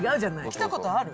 来たことある？